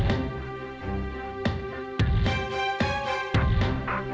seperti merasa bisa lidah